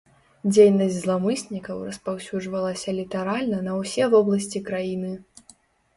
Дзейнасць зламыснікаў распаўсюджвалася літаральна на ўсе вобласці краіны.